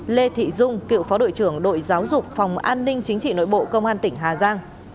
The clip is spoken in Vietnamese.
lê thị dung cựu phó đội trưởng đội giáo dục phòng an ninh chính trị nội bộ công an tỉnh hà giang